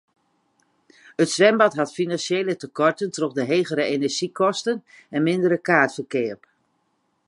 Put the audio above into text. It swimbad hat finansjele tekoarten troch de hegere enerzjykosten en mindere kaartferkeap.